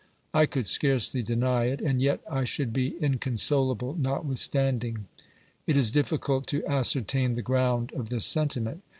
I could scarcely deny it, and yet I should be inconsolable notwithstanding. It is diffi cult to ascertain the ground of this sentiment.